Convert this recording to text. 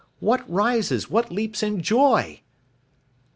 What rises, what leaps in joy?"